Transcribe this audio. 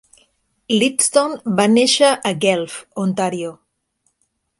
Leadston va néixer a Guelph, Ontario.